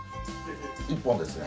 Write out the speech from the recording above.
一本ですね。